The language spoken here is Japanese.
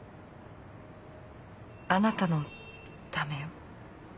あなたのためよ。